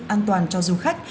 an toàn cho du khách